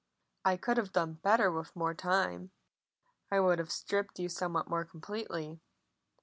"I could have done better with more time; I would have stripped you somewhat more completely.